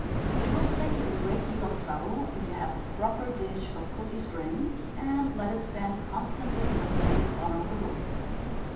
It will save you a great deal of trouble, if you have a proper dish for pussy's drink; and let it stand constantly in the same corner of the room.